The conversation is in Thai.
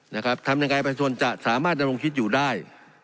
นะครับทำยังไงประชาชนจะสามารถดำรงคิดอยู่ได้